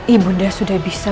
ibu nanda sudah bisa